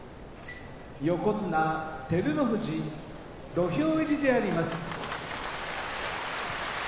横綱照ノ富士土俵入りであります。